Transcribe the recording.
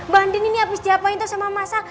bandin ini habis diapain sama mas al